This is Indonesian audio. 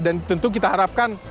dan tentu kita harapkan